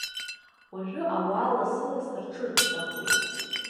Уажәы ауаа лассы-лассы рҽырԥсахуеит.